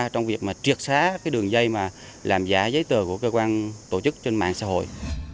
trong việc mà triệt xóa cái đường dây mà làm giả giấy tờ của cơ quan tổ chức trên mạng xã hội